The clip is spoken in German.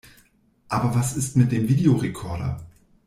Aber was ist mit dem Videorekorder?